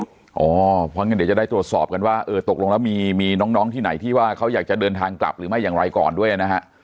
เพราะฉะนั้นเดี๋ยวจะได้ตรวจสอบกันว่าเออตกลงแล้วมีน้องที่ไหนที่ว่าเขาอยากจะเดินทางกลับหรือไม่อย่างไรก่อนด้วยนะฮะ